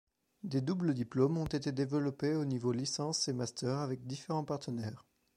Des doubles diplômes ont été développés aux niveaux licence et master avec différents partenaires.